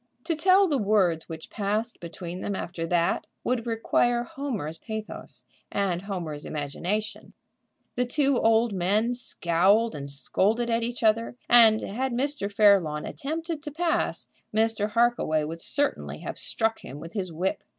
To tell the words which passed between them after that would require Homer's pathos and Homer's imagination. The two old men scowled and scolded at each other, and, had Mr. Fairlawn attempted to pass, Mr. Harkaway would certainly have struck him with his whip.